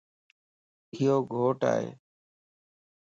ايو گھوٽ ائي